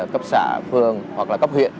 cấp xã phường hoặc là cấp huyện